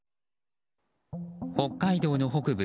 北海道の北部